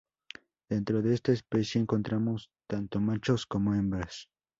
Dentro de esta especie encontramos tanto machos como hembras.